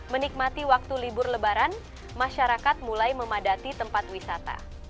menikmati waktu libur lebaran masyarakat mulai memadati tempat wisata